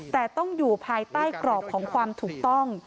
แต่ต้องอยู่ภายใต้กรอบของความถูกต้อง